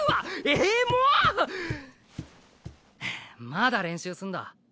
まだ練習すんだ？